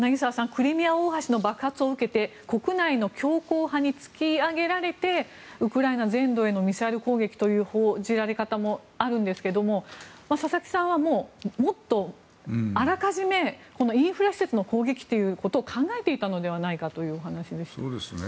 クリミア大橋の爆発を受けて国内の強硬派に突き上げられてウクライナ全土へのミサイル攻撃という報じられ方もあるんですけども佐々木さんはもっとあらかじめインフラ施設の攻撃というのを考えていたのではないかというお話でした。